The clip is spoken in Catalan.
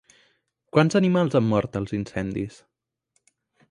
Quants animals han mort als incendis?